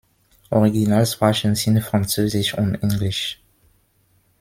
Originalsprachen sind Französisch und Englisch.